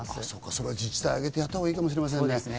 それは自治体あげてやったほうがいいかもしれませんね。